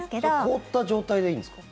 凍った状態でいいんですか？